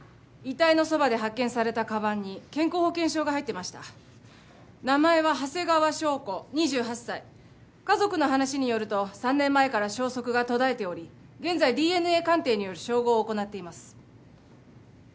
遺体のそばで発見されたかばんに健康保険証が入ってました名前は長谷川祥子２８歳家族の話によると３年前から消息が途絶えており現在ＤＮＡ鑑定による照合を行っています